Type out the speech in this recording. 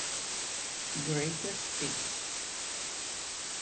Greatest Hits".